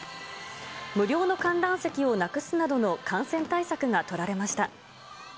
無料の観覧席をなくすなどの感染対策が取られました。